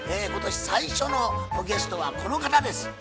今年最初のゲストはこの方です。